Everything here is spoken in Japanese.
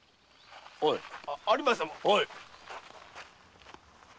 あ有馬様？